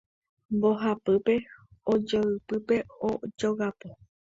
Mbohapyve ojoypypete ojogapo.